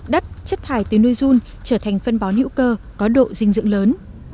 đất chất thải từ nuôi dùn trở thành phân bón hữu cơ có độ dinh dựng lớn